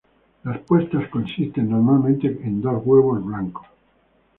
Las puestas consisten normalmente en dos huevos blancos.